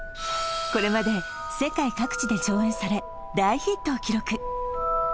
これまで世界各地で上演され大ヒットを記録！